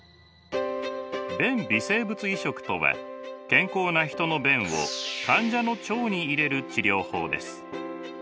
便微生物移植とは健康なヒトの便を患者の腸に入れる治療法です。